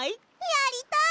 やりたい！